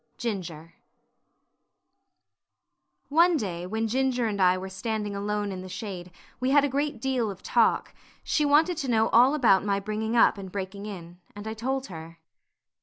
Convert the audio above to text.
07 Ginger One day when Ginger and I were standing alone in the shade, we had a great deal of talk; she wanted to know all about my bringing up and breaking in, and I told her.